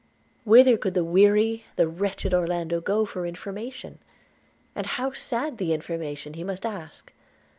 Whither could the weary, the wretched Orlando go for information? and how sad the information he must ask!